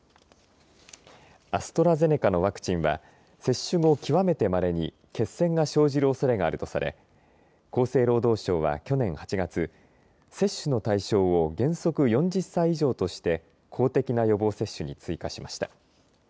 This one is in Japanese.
アストラゼネカのワクチンは接種後、極めてまれに血栓が生じるおそれがあるとされ厚生労働省は去年８月接種の対象を原則４０歳以上として公的な予防接種に追加しました。